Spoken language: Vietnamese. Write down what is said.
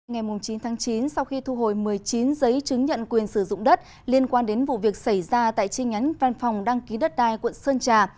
ngày chín tháng chín sau khi thu hồi một mươi chín giấy chứng nhận quyền sử dụng đất liên quan đến vụ việc xảy ra tại chi nhánh văn phòng đăng ký đất đai quận sơn trà